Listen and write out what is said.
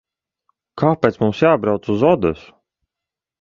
Kāpēc mums jābrauc uz Odesu?